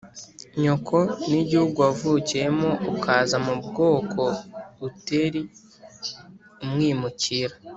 nyoko n igihugu wavukiyemo ukaza mu bwoko uteri umwimukira